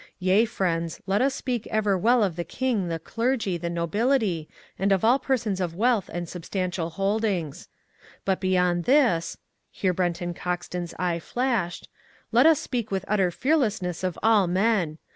Yea, friends, let us speak ever well of the King, the clergy, the nobility and of all persons of wealth and substantial holdings. But beyond this" here Brenton Coxton's eye flashed, "let us speak with utter fearlessness of all men.